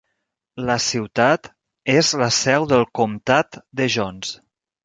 La ciutat és la seu del comtat de Jones.